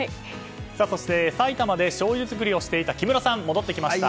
そして、埼玉でしょうゆ造りをしていた木村さん戻ってきました。